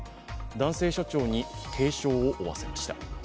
男性社長に軽傷を負わせました。